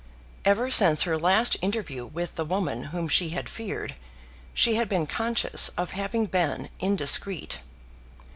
Ever since her last interview with the woman whom she had feared, she had been conscious of having been indiscreet.